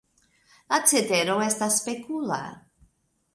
La cetero estas spekula.